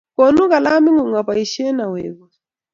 Konon kilaming'ung apoisye, awegun.